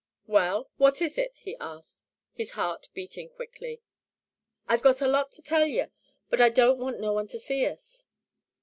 "Well, what is it?" he asked, his heart beating quickly. "I've got a lot to tell yer, but don't want no one to see us."